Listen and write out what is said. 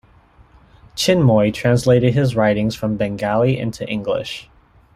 Chinmoy translated his writings from Bengali into English.